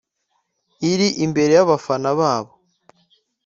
iri imbere y’abafana babo